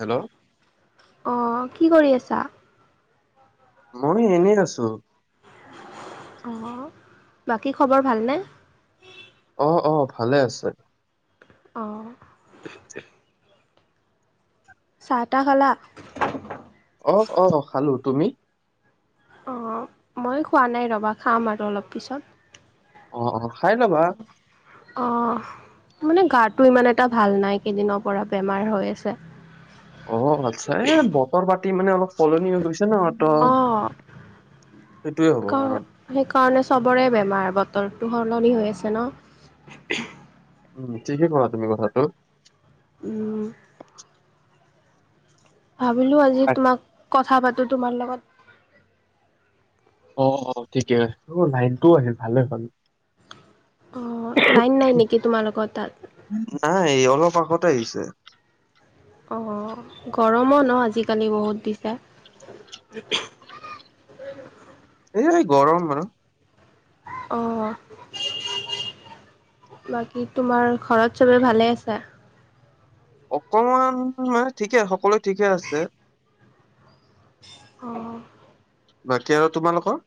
Hello. অ কি কৰি আছা। মই এনেই আছো। অ বাকী খবৰ ভালনে অ অ ভালে আছে। অ [unintelligible] চাহ টাহ খালা। অ অ খালো তুমি। অঁ মই খোৱা নাই ৰবা খাম আৰু অলপ পিছত। অ অ খাই ল'বা। অ মানে গাটো ইমান এটা ভাল নাই কেইদিনৰ পৰা বেমাৰ হৈ আছে। অ আচ্ছা এই বতৰ পাতি মানে অলপ সলনি হৈ গৈছে ন। ত অঁ সেইটোয়ে হ'ব ক। কাৰণ সেইকাৰণে চবৰে বেমাৰ বতৰটো সলনি হৈ আছে ন। উম ঠিকে কলা তুমি কথাটো ওম ভাবিলো আজি তোমাক কথা পাতো তোমাৰ লগত অ অ ঠিকে অ লাইন টোও আহিল ভালে হ'ল অ লাইন নাই নিকি তোমালোকৰ তাত নাই অলপ আগতে আহিছে অ গৰমো ন আজিকালি বহুত দিছে। এই গৰম আৰু অ' বাকী তোমাৰ ঘৰত চবে ভালে আছা। অকমান মানে ঠিকে সকলোৱো ঠিকে আছে। অ। বাকী আৰু তোমালোকৰ।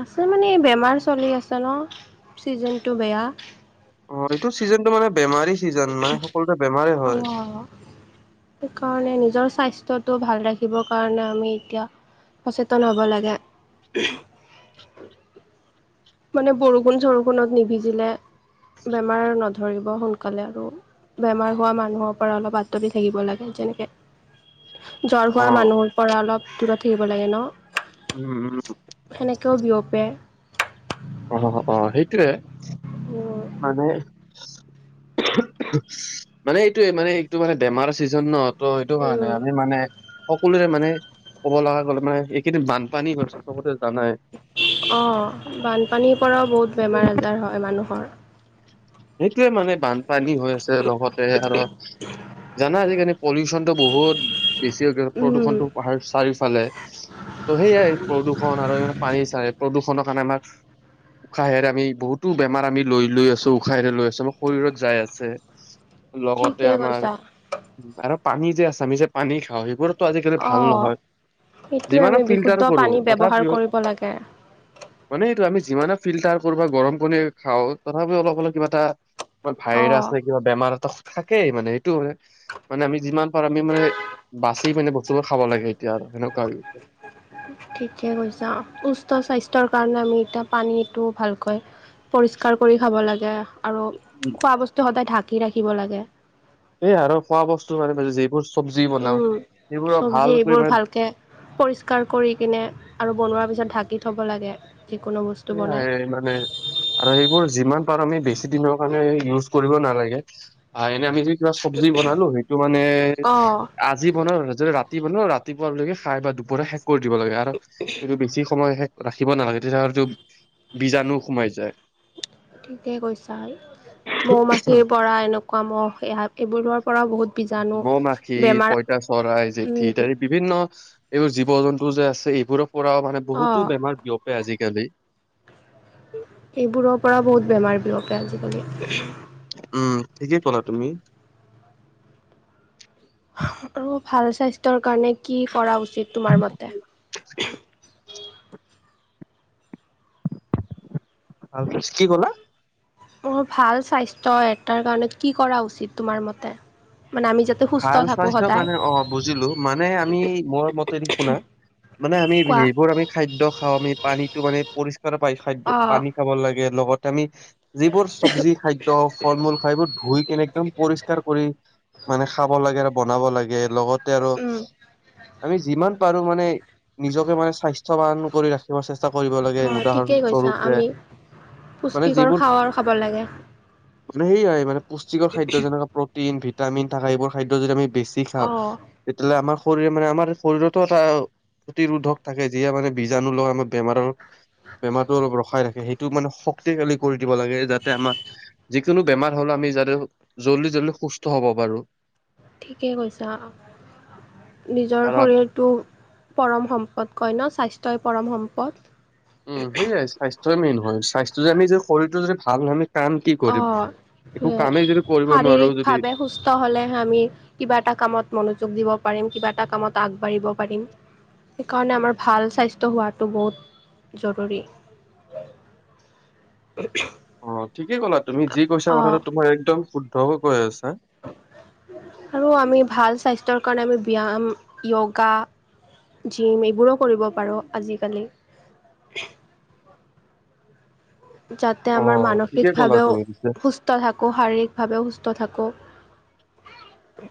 আছে মানে বেমাৰ চলি আছে ন ছিজনটো বেয়া। অ এইটো ছিজনটো মানে বেমাৰী ছিজন মানে সকলোতে বেমাৰে হয়। অ', সেইকাৰণে নিজৰ স্বাস্থ্যটো ভাল ৰাখিবৰ কাৰণে আমি এতিয়া সচেতন হ'ব লাগে। মানে বৰষুণ চৰষুণত নিবিজিলে বেমাৰ নধৰিব সোনকালে আৰু বেমাৰ হোৱা মানুহৰ পৰা অলপ আঁতৰি থাকিব লাগে যেনেকে জ্বৰ অ হোৱা মানুহৰ পৰা অলপ দূৰত থাকিব লাগে ন উম উম সেনেকেও বিয়পে অ অ সেইটোৱে উম মানে মানে এইটোয়ে মানে এইটো মানে বেমাৰ ছিজন ন ত' সেইটো কাৰণে উম। আমি মানে সকলোৰে মানে ক'ব লগা গ'লে মানে এইকেইদিন বানপানী হৈছে চবতে জানাই অঁ, বানপানীৰ পৰাও বহুত বেমাৰ আজাৰ হয় মানুহৰ। সেইটোৱে মানে বান- পানী হৈ আছে লগতে আৰু জানা আজিকালি পলিউচনতটো বহুত বেছি। উম প্ৰদূষণটো পাহাৰ চাৰিওফালে ত' সেয়াই প্ৰদূষণ আৰু পানী চাৰে প্ৰদূষণৰ কাৰণে আমাৰ উৎসাহেৰে আমি বহুতো বেমাৰ আমি লৈ লৈ আছো উসাই লৈ আছো, আমাৰ শৰীৰত যাই আছে লগতে ঠিকে কৈছা। আমাৰ- আৰু পানী যে আছে, আমি যে পানী খাওঁ সেইবোৰ- আজিকালি ভাল অঁ নহয়, সেইটোৱে যিমানে আমি বিশুদ্ধ ফিল্টাৰ কৰো পানী ব্যৱহাৰ তথাপিও। কৰিব লাগে। মানে এইটো আমি যিমানে ফিল্টাৰ কৰো বা গৰম পানী খাওঁ তথাপিও অলপ অলপ কিবা এটা- অঁ ভাইৰাছ ন কিবা বেমাৰ এটা থাকেই মানে সেইটো মানে- মানে আমি যিমান পাৰো আমি মানে বাচি মানে বস্তুবোৰ খাব লাগে, এতিয়া আৰু সেনেকুৱা হৈ গ- ঠিকে কৈছা সুস্থ স্বাস্থ্যৰ কাৰণে আমি এতিয়া পানীটো ভালকৈ- পৰিষ্কাৰ কৰি খাব লাগে, আৰু খোৱা বস্তু সদায় ঢাকি ৰাখিব লাগে। এই আৰু খোৱা বস্তু মানে ব যিবোৰ- চব্জি বনাও উম, সেইবোৰৰ ভাল চব্জি কৰি এইবোৰ মানে ভালকে- পৰিষ্কাৰ কৰি কিনে আৰু বনোৱাৰ পিছত ঢাকি থ'ব লাগে, যিকোনো বস্তু। বনাই। সেয়াই মানে। আৰু সেইবোৰ যিমান পাৰো আমি বেছি দিনৰ কাৰণে ইউজ কৰিব নালাগে, আহ এনে আমি যদি- কিবা চব্জি বনালো, সেইটো মানে- অঁ আজি বনাওঁ যদি ৰাতি বনাওঁ ৰাতিপুৱকে খাই বা দুপৰীয়া শেষ কৰি দিব লাগে আৰু এইটো বেছি সময় শেষ। ৰাখিব নালাগে তেতিয়া আৰুটো- বীজাণু সোমাই যায়। ঠিকে কৈছা মৌ মাখিৰ পৰা এনেকুৱা মহ এইবোৰ লোৱাৰ পৰা বহুত। বিজাণু বেমাৰ। এয়া চৰাই জেঠি উম ইত্যাদি বিভিন্ন এইবোৰ জীৱ জন্তু যে আছে এইবোৰৰ পৰাও মানে। অ বহুতো বেমাৰ বিয়পে আজিকালি। এইবোৰৰ পৰা বহুত বেমাৰ বিয়পে আজিকালি। উম ঠিকেই কলা তুমি। আৰু ভাল স্বাস্থ্যৰ কাৰণে কি কৰা উচিত তোমাৰ মতে- [inaudible] তাপিছত, কি কলা? মোৰ ভাল স্বাস্থ্য এটাৰ কাৰণে কি কৰা উচিত তোমাৰ মতে মানে আমি সুস্থ ভাল থাকোঁ স্বাস্থ্যৰ সদায় কাৰণে অঁ বুজিলো মানে আমি মোৰ মতেদি শুনা- মানে আমি কোৱা সবোৰ আমি খাদ্য খাওঁ আমি পানীতো মানে পৰিষ্কাৰ পাই খাদ্য অ পানী- খাব লাগে, লগতে আমি- যিবোৰ চব্জি খাদ্য ফল মূল খাই, এইবোৰ ধুই কেনে একদম পৰিষ্কাৰ কৰি- মানে খাব লাগে আৰু বনাব লাগে লগতে আৰু। উম আমি যিমান পাৰো মানে নিজকে মানে স্বাস্থ্যৱান কৰি ৰাখ- চেষ্টা কৰিব লাগে অ উদাহৰণ ঠিকেই কৈছা স্বৰূপে- আমি মানে পুষ্টিকৰ যিবোৰ, খাৱাৰ খাব লাগে মানে হেৰি হয় মানে পুষ্টিকৰ খাদ্য যেনেকুৱা- প্ৰটিন ভিটামিন থকা এইবোৰ খাদ্য যদি আমি বেছি খাওঁ। অ তেতিয়াহ'লে আমাৰ শৰীৰ মানে আমাৰ শৰীৰতো এটা। প্ৰতিৰোধক থাকে, যিয়ে মানে বীজাণু ল আমাৰ বেমাৰৰ বেমাৰতো অলপ ৰখাই ৰাখে, সেই- টো মানে শক্তিশালী কৰি দিব লাগে যাতে আমাৰ- যিকোনো বেমাৰ হ'লে আমি যাতে জল্দি জল্দি সুস্থ হব পাৰো। ঠিকে কৈছা, নিজৰ আৰু আম- শৰীৰ- তটো পৰম সম্পদ কয় ন, স্বাস্থ্যই পৰম সম্পদ। উম সেয়াই, স্বাস্থ্যয়ই মেইন হয় স্বাস্থ্য যদি আমি শৰিটো যদি ভাল ন হয় আমি- কাম কি কৰিম? অ' একো সেইটোৱে কামেই যদি কৰিব নোৱাৰো যদি- শাৰীৰিকভাৱে সুস্থ হলেহে আমি কিবা এটা কামত মনোযোগ দিব পাৰিম, কিবা এটা কামত আগবাঢ়িব পাৰিম। সেইকাৰণে আমাৰ ভাল স্বাস্থ্য হোৱাটো বহুত, জৰুৰী। [unintelligible] অ' ঠিকে ক'লা তুমি। যি কৈছা অ' কথাটো তোমাৰ একদম শুদ্ধকে কৈ আছা। আৰু আমি ভাল স্বাস্থ্যৰ কাৰণে আমি ব্যায়াম, য়োগা। জিম এইবোৰো কৰিব পাৰোঁ আজিকালি। যাতে অ আমাৰ ঠিকে ক'লা মানসিকভাৱেও তুমি পিছে সুস্থ সুস্থ থাকোঁ, শাৰীৰিকভাৱেও সুস্থ থাকোঁ।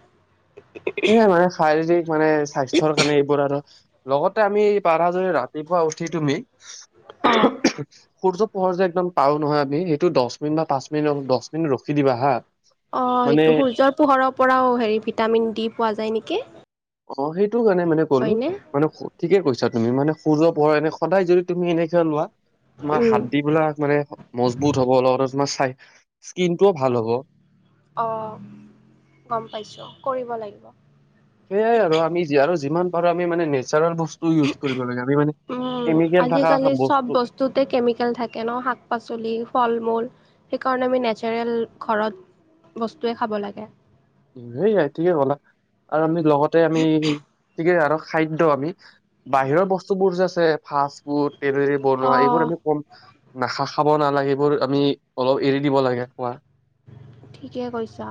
[unintelligible] শাৰীৰিক মানে স্বাস্থ্যৰ কাৰণে এইবোৰ আৰু, লগতে আমি, পাৰা যদি ৰাতিপুৱা উঠি তুমি। অ'। সূৰ্য পোহৰ যে একদম পাও নহয় আমি! সেইটোত দহ মিনিট বা পাঁচ মিনিট, দহ মিনিট ৰখি দিবা হা। অ' মানে সেইটো সূৰ্যৰ পোহৰৰ পৰাও হেৰি ভিটামিন-ডি পোৱা যায় নেকি? অ' সেইটো কাৰণে মানে ক'লো। হয়নে? মানে ঠিকে কৈছা তুমি। মানে সূৰ্য পোহৰ এনে সদায় যদি তুমি এনেকে লোৱা। তোমাৰ উম হাৰ্ডিবিলাক মানে মজবুত হ'ব, লগতে তোমাৰ চাই স্কিনটোও ভাল হ'ব। অ' গম পাইছো, কৰিব লাগিব। সেয়াই আৰু। আমি আৰু যিমান পাৰো আমি মানে নেচাৰেল বস্তু ইউজ কৰিব লাগে। আমি মানে, কেমিকেল থকা বস্তু। তে কেমিকেল থাকে ন? শাক-পাচলি, ফল-মূল। সেইকাৰণে আমি নেচাৰেল ঘৰত, বস্তুৱে খাব লাগে। সেয়াই ঠিকে ক'লা। আৰু আমি লগতে আমি ঠিকে আৰু খাদ্য আমি, বাহিৰৰ বস্তুবোৰ যে আছে ফাষ্টফুড, তেলেৰে বনোৱা, এইবোৰ আমি অ কম, নাখা-খাব নালাগে। এইবোৰ আমি অলপ এৰি দিব লাগে খোৱা। ঠিকে কৈছা।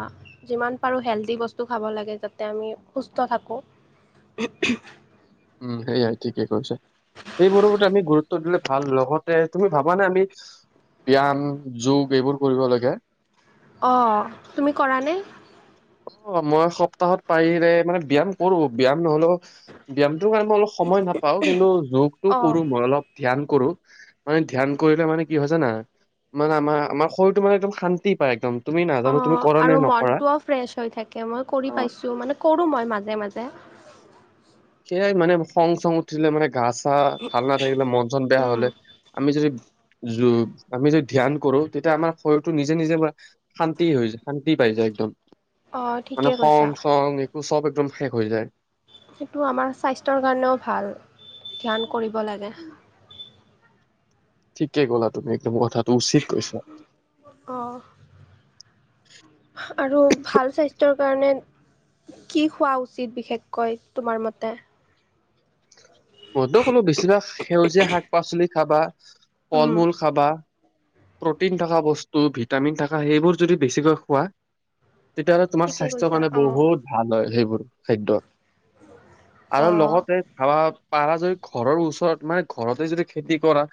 যিমান পাৰোঁ হেল্ডি বস্তু খাব লাগে, যাতে আমি সুস্থ থাকোঁ। [unintelligible] উম সেয়াই ঠিকেই কৈছে। সেইবোৰতে আমি গুৰুত্ব দিলে ভাল। লগতে তুমি ভাবানে? আমি ব্যায়াম, যোগ এইবোৰ কৰিব লাগে। অ'। তুমি কৰানে? অ' মই সপ্তাহত পাৰিলে, মানে ব্যায়াম কৰো। ব্যায়াম নহ'লেও ব্যায়ামটোৰ কাৰণে মই অলপ সময় নাপাওঁ, কিন্তু যোগটো অ কৰো মই অলপ। ধ্যান কৰো, মানে ধ্যান কৰিলে মানে কি হয় জানা? মানে আমাৰ, আমাৰ শৰীৰটো মানে একদম শান্তি পায় একদম। তুমি অ নাজানো তুমি কৰা নে আৰু নকৰা? মনটোও ফ্ৰেছ হৈ থাকে। মই কৰি অ পাইছোঁ। মানে কৰোঁ মই মাজে মাজে। সেয়াই মানে, খং-চং উঠিলে মানে গা-চা ভাল নাথাকিলে, মন-চন বেয়া উম হ'লে। আমি যদি আমি যদি ধ্যান কৰো, তেতিয়া আমাৰ শৰীৰটো নিজে নিজে। শান্তি হৈ যায়। শান্তি পাই যায় একদম। অঁ মানে ঠিকে কৈছা খং-চং। চব একদম শেষ হৈ যায়। সেইটো আমাৰ স্বাস্থ্যৰ কাৰণেও ভাল। ধ্যান কৰিব লাগে। ঠিকে ক'লা তুমি একদম কথাটো। উচিত কৈছা। অ'। আৰু ভাল স্বাস্থ্যৰ কাৰণে কি খোৱা উচিত? বিশেষকৈ তোমাৰ মতে মইতো ক'লো বেছিভাগ সেউজীয়া শাক-পাচলি খাবা, উম ফল-মূল খাবা। প্ৰ'টিন থকা বস্তু, ভিটামিন থকা সেইবোৰ যদি বেছিকৈ খোৱা। তেতিয়াহ'লে তোমাৰ ঠিকে স্বাস্থ্যৰ কৈছা কাৰণে অঁ বহুত ভাল হয় সেইবোৰ খাদ্য। আৰু অঁ লগতে ভাবা পাৰা যদি ঘৰৰ ওচৰত, মানে ঘৰতে যদি খেতি কৰা!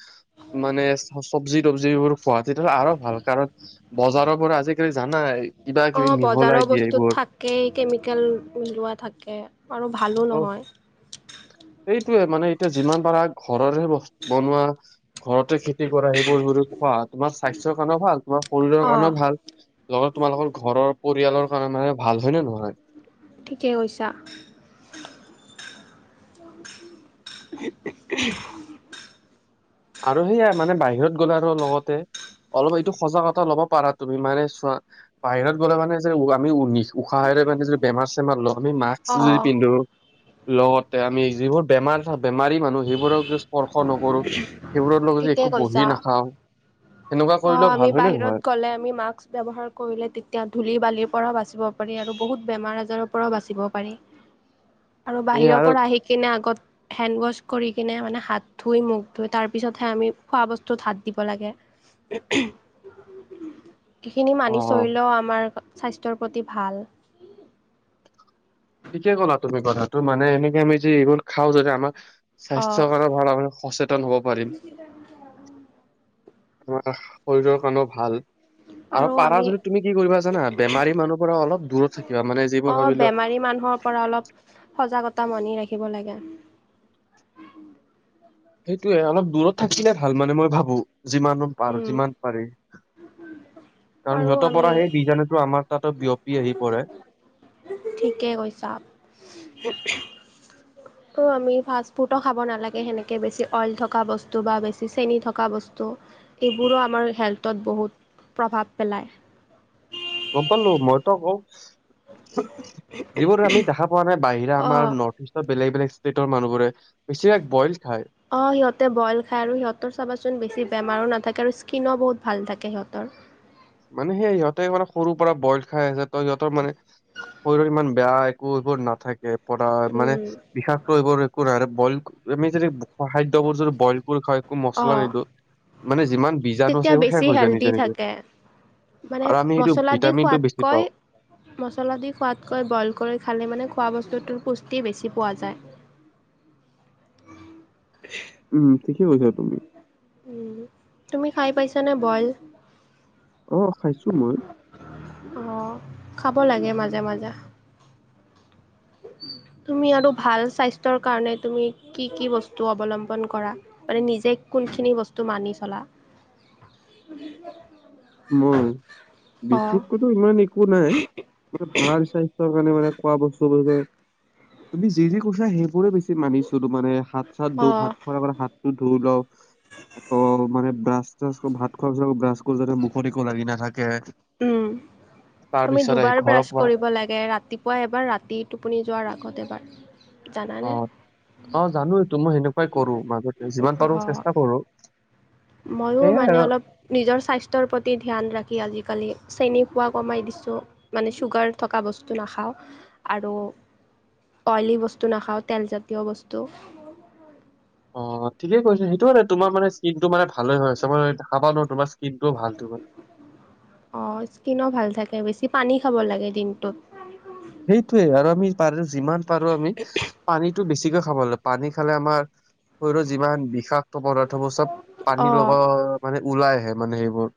মানে চব্জি চব্জিবোৰ খোৱা তেতিয়াহ'লে আৰু ভাল। কাৰণ বজাৰৰ পৰা আজিকালি জানাই, কিবাকিবি মিহলাই দিয়ে এইবোৰ। তাকেই কেমিকেল মিহলোৱা থাকে আৰু ভালো ত নহয় সেইটোয়ে মানে এতিয়া যিমান পাৰা ঘৰৰে বচ বনোৱা ঘৰতে খেতি কি কৰা সেইবোৰ যদি তোমাৰ স্বাস্থ্যৰ কাৰণেও ভাল তোমাৰ শৰীৰৰ অঁ কাৰণেও ভাল লগত তোমালোকৰ ঘৰৰ পৰিয়ালৰ কাৰণে মানে ভাল হয় নে নহয়? ঠিকে কৈছা। [unintelligible] আৰু সেয়াই মানে বাহিৰত গ'লে আৰু লগতে অলপ এইটো সজাগতা ল'ব পাৰা তুমি মানে চোৱা বাহিৰত গ'লে মানে যে আমি উ নিছ উশাহেৰে মানে যদি বেমাৰ চেমাৰ লওঁ আমি মাক্স অঁ যদি পিন্ধো লগতে আমি যিবোৰ বেমাৰ বেমাৰী মানুহ সেইবোৰক স্পৰ্শ নকৰো সেইবোৰৰ লগত যদি একো বহি নাখাওঁ সেনেকুৱা অ কৰিলেও আমি ভাল হয় নে বাহিৰত নহয় গলে আমি মাস্ক ব্যৱহাৰ কৰিলে তেতিয়া ধূলি বালিৰ পৰাও বাচিব পাৰি আৰু বহুত বেমাৰ আজাৰৰ পৰাও বাচিব পাৰি আৰু বাহিৰৰ পৰা আহি কিনে আগত হেণ্ড ৱাছ কৰি কিনে মানে হাত ধুই মুখ ধুই তাৰ পিছতহে আমি খোৱা বস্তুত হাত দিব লাগে [unintelligible] সেইখিনি অ মানি চলিলেও আমাৰ স্বাস্থ্যৰ প্ৰতি ভাল ঠিকে ক'লা তুমি কথাটো মানে এনেকে আমি যে এইবোৰ খাওঁ যদি আমাক স্বাস্থ্যৰ অ' কাৰণে ভাল আমি সচেতন হব পাৰিম আমা কাখ শৰীৰৰ কাৰণেও ভাল আৰু পাৰা যদি তুমি কি কৰিবা জানা বেমাৰী মানুহ পৰা অলপ দূৰত থাকিবা মানে যিবোৰ ভাবি লোৱ সে মানুহক পৰা অলপ সজাগতা মানি ৰাখিব লাগে সেইটোয়ে অলপ দূৰত থাকিলে ভাল মানে মই ভাবো যিমান পাৰো উম, যিমান পাৰি কাৰণ আৰু সিহঁতৰ আমি পৰা সেই বীজাণুটো আমাৰ তাতো বিয়পি আহি পৰে ঠিকেই কৈছা টো আমি ফাষ্টফুডো খাব নালাগে সেনেকে বেছি অইল থকা বস্তু বা বেছি চেনি থকা বস্তু এইবোৰো আমাৰ হেল্থত বহুত প্ৰভাৱ পেলায় গম পালো মই ত কও যিবোৰ আমি দেখা পোৱা নাই বাহিৰা অ' আমাৰ নৰ্থ ইষ্ট বেলেগ বেলেগ ষ্টেটৰ মানুহ বোৰে বেছিভাগ বইল খায় অ সিহঁতে বইল খায় আৰু সিহঁতৰ চাবাচোন বেছি বেমাৰো নাথাকে আৰু স্কীনো বহুত ভাল থাকে সিহঁতৰ মানে সেই সিহঁতে মানে সৰু পৰা বইল খাই আছে ত সিহঁতৰ মানে শৰীৰত ইমান বেয়া একো এইবোৰ নাথাকে পৰা মানে উম বিষাক্ত এইবোৰ একো নাই বইল আমি যদি ব খোৱা খাদ্যবোৰ যদি বইল কৰি খাই একো মছলা অঁ নিদিওঁ মানে যিমান বিজাণু তেতিয়া আছে এইবোৰ বেছি শেষ হৈ যায় হেল্ডি নিজে নিজে থাকে। মানে আৰু আমি সেইটো মছলা দি ভিটামিন টো বেছি খোৱাতকৈ পাওঁ মছলা দি খোৱাতকৈ বইল কৰি খালে মানে খোৱা বস্তুটোৰ পুষ্টি বেছি পোৱা যায় [unintelligible] উম ঠিকেই কৈছা তুমি উম তুমি খাই পাইছানে বইল অ খাইছো মই অ খাব লাগে মাজে মাজে তুমি আৰু ভাল স্বাস্থ্যৰ কাৰণে তুমি কি কি বস্তু অৱলম্বন কৰা মানে নিজে কোনখিনি বস্তু মানি চলা মই অঁ বিশেষকৈ টো ইমান একো নাই মানে ভাল স্বাস্থ্যৰ কাৰণে মানে খোৱা বস্তুবোৰ যে তুমি যি যি কৈছা সেইবোৰে বেছি মানিছিলো মানে হাত চাত ধু অঁ হাত খোৱাৰ আগত হা ধুই লও আকৌ মানে ব্ৰাছ চাচ ভাত খোৱাৰ পিছত ব্ৰাছ কৰো যাতে মুখ একো লাগি নাথাকে। উম তাৰ আমি পিছত আহি দুবাৰ ঘৰৰ ব্ৰাছ পৰা কৰিব লাগে ৰাতি পুৱা এবাৰ ৰাতি টোপুনি যোৱাৰ আগত এবাৰ। অ জানানে অ জানো এইটো মই সেনেকুৱাই কৰো মাজতে যিমান অহ পাৰো চেষ্টা কৰো। ময়ো সেয়াই আৰু মানে অলপ নিজৰ স্বাস্থ্যৰ প্ৰতি ধ্যান ৰাখি আজিকালি চেনি খোৱা কমাই দিছোঁ মানে চুগাৰ থকা বস্তু নাখাওঁ আৰু অইলী বস্তু নাখাওঁ তেলজাতীয় বস্তু অ ঠিকেই কৈছে সেইটোমানে তোমাৰ মানে স্কিনটো মানে ভালে হৈ আছে মই দেখা পাওঁ ন তোমাৰ স্কিনটো ভাল মানে। অ স্কিনো ভাল থাকে বেছি পানী খাব লাগে দিনটোত। সেইটোয়ে আৰু আমি পাৰে যিমান পাৰো আমি পানীটো বেছিকৈ খাব ললে পানী খালে আমাৰ শৰীৰৰ যিমান বিষা ক্ত পদাৰ্থবোৰ চব পানী অঁ লগা মানে ওলাই আহে মানে সেইবোৰ।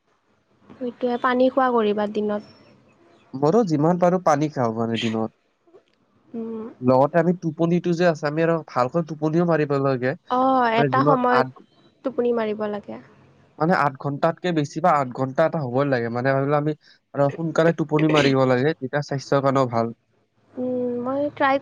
সেইটোৱে পানী খোৱা কৰিবা দিনত। মৰো যিমান পাৰো পানী খাওঁ মানে দিনত। লগতে আমি টোপনিটো যে আছে আমি আৰু ভালকৈ টোপনিও মাৰিব লাগে। অ মানে এটা যিমান সময়ত আঠ টোপনি মাৰিব লাগে। মানে আঠ ঘণ্টাতকে বেছি বা আঠ ঘণ্টা এটা হ'বই লাগে মানে ধৰি লোৱা আমি আৰু সোনকালে টোপনি মাৰিব লাগে তেতিয়া স্বাস্থ্যৰ কাৰণেও ভাল। উম মই ট্ৰাই